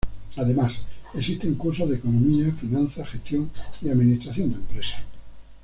Además, existen cursos de economía, finanzas, gestión y administración de empresas.